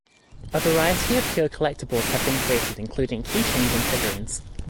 A variety of Kyo collectibles have been created, including key chains and figurines.